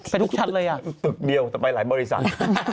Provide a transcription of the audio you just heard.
ทุกชั้นเลยอ่ะตึกเดียวแต่ไปหลายบริษัท